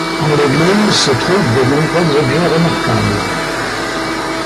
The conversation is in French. En l'église se trouvent de nombreux objets remarquables.